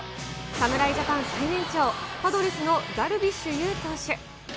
侍ジャパン最年長、パドレスのダルビッシュ有投手。